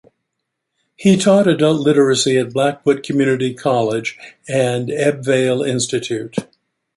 He taught Adult Literacy at Blackwood Community College and the Ebbw Vale Institute.